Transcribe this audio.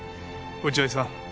落合さん